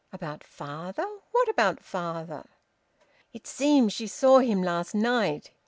"About father? What about father?" "It seems she saw him last night.